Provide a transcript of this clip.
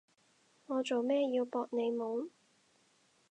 我做咩要搏你懵？